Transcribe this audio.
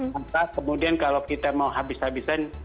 maka kemudian kalau kita mau habis habisan